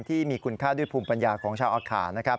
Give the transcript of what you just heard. ที่มีคุณค่าด้วยภูมิปัญญาของชาวอาคารนะครับ